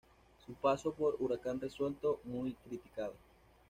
Su paso por Huracán resultó muy criticado.